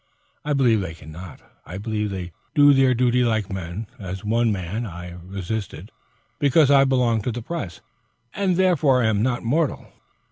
I believe they can not. I believe they do their duty like men. As one man I resisted, because I belong to the press, and therefore am not mortal.